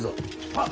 はっ！